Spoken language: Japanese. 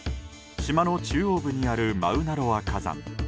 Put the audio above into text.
島の中央部にあるマウナロア火山。